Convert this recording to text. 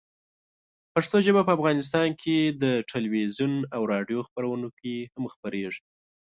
پښتو ژبه په افغانستان کې د تلویزیون او راډیو خپرونو کې هم خپرېږي.